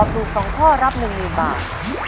ถูก๒ข้อรับ๑หนึ่งบาท